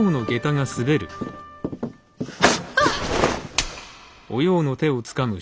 あっ。